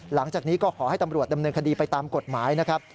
หลังจากนี้ก็ขอให้ตำรวจดำเนินคดีไปตามกฎหมายนะครับ